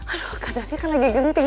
aduh kadang kadang kan lagi genting